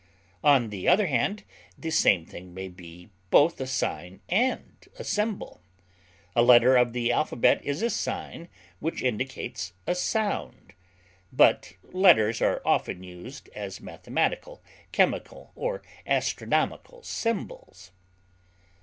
On the other hand, the same thing may be both a sign and a symbol; a letter of the alphabet is a sign which indicates a sound; but letters are often used as mathematical, chemical, or astronomical symbols.